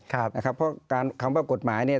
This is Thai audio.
ครับนะครับเพราะคำว่ากฎหมายนี่